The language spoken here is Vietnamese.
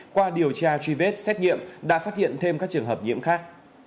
qua điều tra truy vết xét nghiệm đã phát hiện thêm các trường hợp nhiễm khác